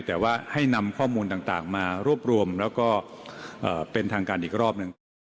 แต่ว่าให้นำข้อมูลต่างมารวบรวมแล้วก็เป็นทางการอีกรอบหนึ่ง